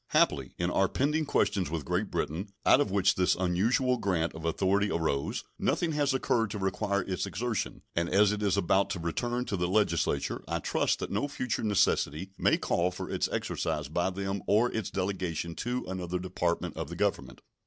Happily, in our pending questions with Great Britain, out of which this unusual grant of authority arose, nothing has occurred to require its exertion, and as it is about to return to the Legislature I trust that no future necessity may call for its exercise by them or its delegation to another Department of the Government.